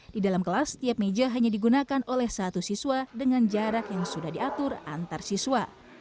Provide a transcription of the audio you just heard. di dalam kelas setiap meja hanya digunakan oleh satu siswa dengan jarak yang sudah diatur antar siswa